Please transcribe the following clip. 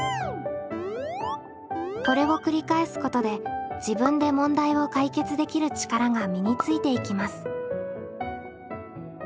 これを繰り返すことで自分で問題を解決できる力が身についていきます。